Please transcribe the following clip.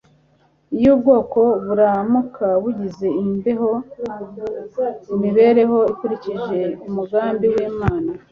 iyo ubwo bwoko buramuka bugize imibereho ikurikije umugambi w'imana